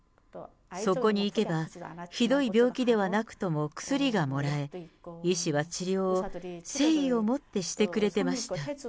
そこに行けば、ひどい病気ではなくとも薬がもらえ、医師は治療を誠意を持ってしてくれていました。